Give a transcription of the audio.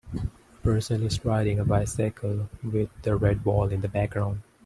A person is riding a bicycle with a red wall in the background.